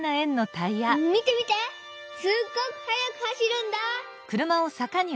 見て見てすっごくはやく走るんだ！」。